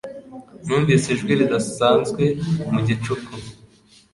Numvise ijwi ridasanzwe mu gicuku.